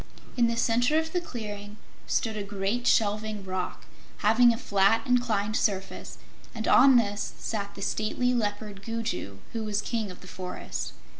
In the center of the clearing stood a great shelving rock, having a flat, inclined surface, and on this sat the stately Leopard Gugu, who was King of the Forest.